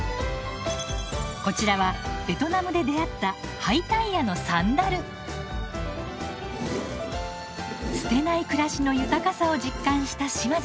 こちらはベトナムで出会った捨てない暮らしの豊かさを実感した島津さん。